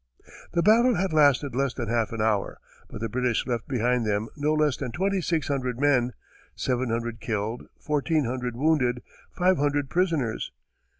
The battle had lasted less than half an hour, but the British left behind them no less than twenty six hundred men seven hundred killed, fourteen hundred wounded, five hundred prisoners.